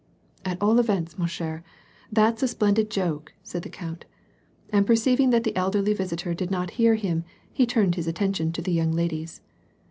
" At all events, ma ch^re, that's a splendid joke," said the count, and perceiving that the elderly visitor did not hear him, he turned his attention to the young ladies.